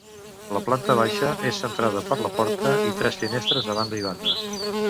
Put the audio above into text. La planta baixa és centrada per la porta i tres finestres a banda i banda.